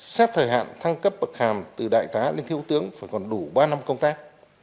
xét thời hạn thăng cấp bậc hàm từ đại tá lên thiếu tướng phải còn đủ ba năm công tác